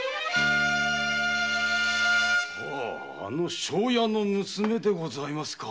庄屋の娘でございますか。